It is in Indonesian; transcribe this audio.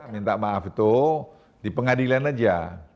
minta maaf itu di pengadilan aja